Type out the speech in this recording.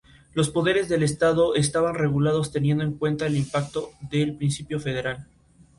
Sin embargo, otras culturas poseen maneras diferentes de entender el sistema sexual.